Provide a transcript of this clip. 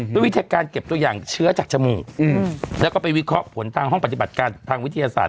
ด้วยวิธีการเก็บตัวอย่างเชื้อจากจมูกแล้วก็ไปวิเคราะห์ผลทางห้องปฏิบัติการทางวิทยาศาสต